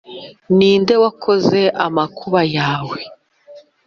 ni nde wakoze amakuba yawe,